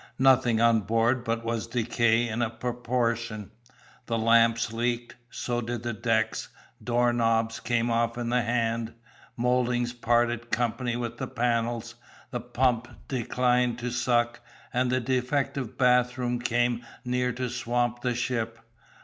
Nothing on board but was decayed in a proportion; the lamps leaked; so did the decks; door knobs came off in the hand, mouldings parted company with the panels, the pump declined to suck, and the defective bathroom came near to swamp the ship.